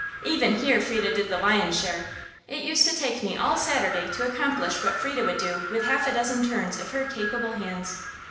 Even here Frieda did the lion's share; it used to take me all Saturday to accomplish what Frieda would do with half a dozen turns of her capable hands.